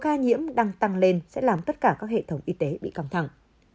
các ca nhiễm đang tăng lên sẽ làm tất cả các hệ thống y tế bị cầm thẳng